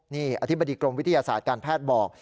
นี่อธิบดีกรมวิทยาศาสตร์การแพทย์บอก